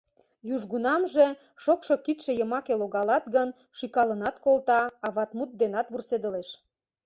Южгунамже, шокшо кидше йымаке логалат гын, шӱкалынат колта, аватмут денат вурседылеш.